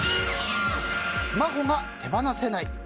スマホが手放せない。